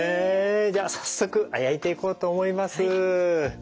じゃあ早速焼いていこうと思います。